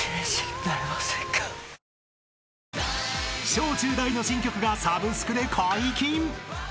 ［小中大の新曲がサブスクで解禁］